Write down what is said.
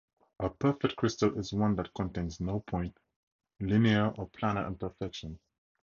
A perfect crystal is one that contains no point, linear, or planar imperfections.